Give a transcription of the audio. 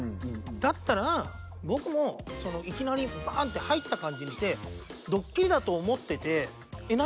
だったら僕もいきなりバン！って入った感じにしてドッキリだと思ってて「えっ何何？